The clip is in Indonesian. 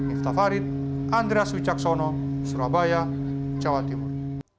iftafarit andreas wicaksono surabaya jawa timur